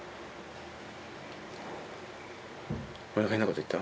俺何か変なこと言った？